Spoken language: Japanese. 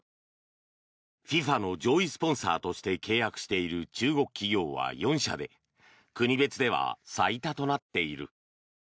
ＦＩＦＡの上位スポンサーとして契約している中国企業は４社で国別では最多となっている。